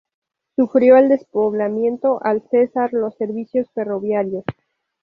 Sufrió el despoblamiento al cesar los servicios ferroviarios.